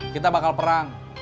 kita bakal perang